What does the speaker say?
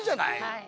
はい。